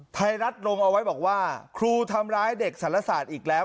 ไทยรัฐลงเอาไว้บอกว่าครูทำร้ายเด็กสารศาสตร์อีกแล้ว